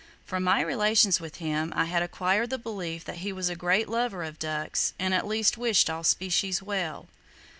From my relations with him, I had acquired the belief that he was a great lover of ducks, and at least wished all species well.